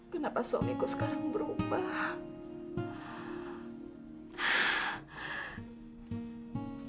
kenapa suamiku sekarang berubah